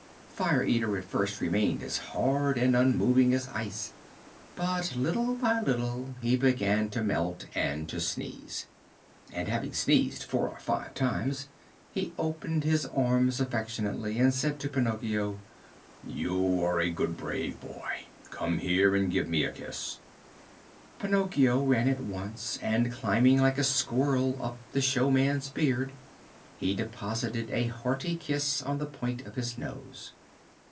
Fire Eater at first remained as hard and unmoved as ice, but little by little he began to melt and to sneeze. And, having sneezed four or five times, he opened his arms affectionately and said to Pinocchio: "You are a good, brave boy! Come here and give me a kiss." Pinocchio ran at once and, climbing like a squirrel up the showman's beard, he deposited a hearty kiss on the point of his nose.